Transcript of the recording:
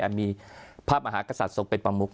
ก็จะมีภาพมหากษัตริย์ส่งไปประมุข